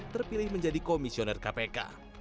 terpilih menjadi komisioner kpk